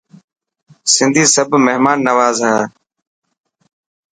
سنڌي سب مهمان نواز هي.